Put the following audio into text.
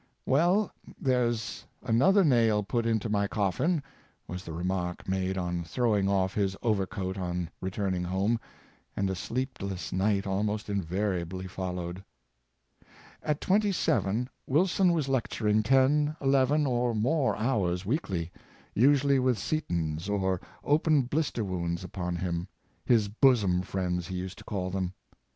'' Well, there's another nail put into my coffin," was the remark made on throwing off his over coat on re turning home; and a sleepless night almost invariably followed. At twenty seven, Wilson was lecturing ten, eleven, or more hours weekly, usually with setons or open blis ter wounds upon him — his "bosom friends," he used to call them.